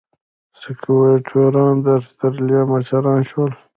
سکواټوران د اسټرالیا مشران شول.